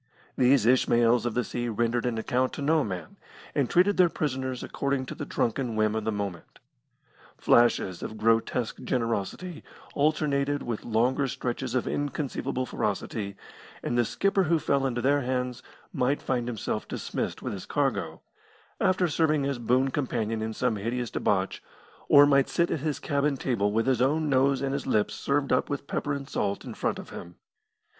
These Ishmaels of the sea rendered an account to no man, and treated their prisoners according to the drunken whim of the moment. Flashes of grotesque generosity alternated with longer stretches of inconceivable ferocity, and the skipper who fell into their hands might find himself dismissed with his cargo, after serving as boon companion in some hideous debauch, or might sit at his cabin table with his own nose and his lips served up with pepper and salt in front of him.